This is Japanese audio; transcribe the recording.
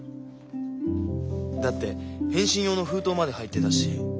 だって返信用の封筒まで入ってたし。